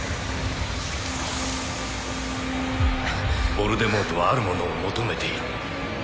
ヴォルデモートはあるものを求めている